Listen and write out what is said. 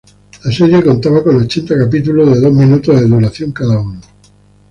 La serie contaba con ochenta capítulos de dos minutos de duración cada uno.